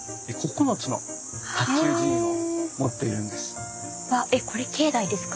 ９つの塔頭寺院を持っているんです。